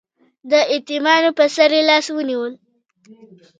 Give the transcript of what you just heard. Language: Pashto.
د یتیمانو په سر یې لاس ونیو.